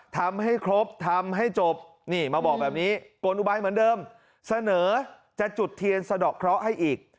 ทำให้ครบทำให้จบนี่มาบอกแบบนี้กลอุบายเหมือนเดิมเสนอจะจุดเทียนสะดอกเคราะห์ให้อีก